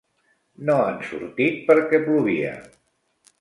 No han sortit perquè plovia.